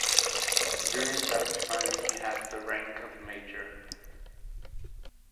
During that time he had the rank of Major.